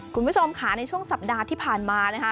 คุณผู้ชมค่ะในช่วงสัปดาห์ที่ผ่านมานะคะ